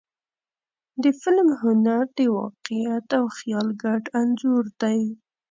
د فلم هنر د واقعیت او خیال ګډ انځور دی.